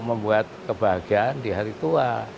membuat kebahagiaan di hari tua